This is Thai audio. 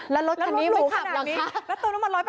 แล้วรถคันนี้ไม่ขับหรอคะ